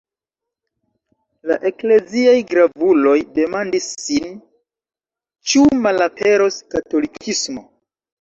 La ekleziaj gravuloj demandis sin ĉu malaperos katolikismo.